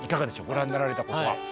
ご覧になられたことは。